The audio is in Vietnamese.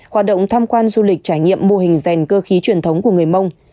hoạt động tham quan du lịch trải nghiệm mô hình rèn cơ khí truyền thống của người mông